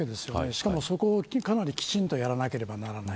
しかも、そこをきちんとやらなければならない。